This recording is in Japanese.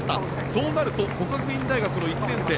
そうなると國學院大學の１年生